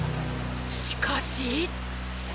しかし。